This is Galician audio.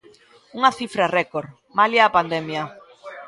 Unha cifra récord, malia a pandemia.